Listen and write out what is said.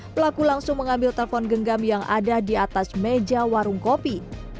pelaku langsung mengambil telpon genggam yang ada di atas meja warung kopi